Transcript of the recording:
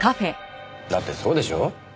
だってそうでしょ？